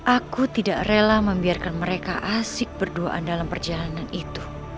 aku tidak rela membiarkan mereka asik berdoa dalam perjalanan itu